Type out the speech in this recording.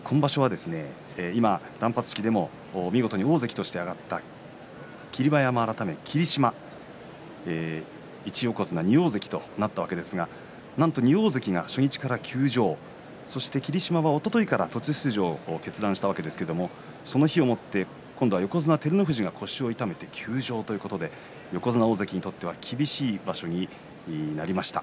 今、断髪式でも見事に大関として上がった霧馬山改め霧島１横綱２大関となったわけですがなんと２大関が初日から休場そして霧島は昨日から途中出場を決断したわけですがその日をもって今度は横綱照ノ富士が腰を痛めて休場横綱大関にとっては厳しい場所になりました。